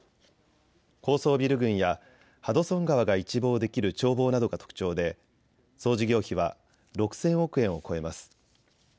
高層ビル群やハドソン川が一望できる眺望などが特徴で総事業費は６０００億円を超えます。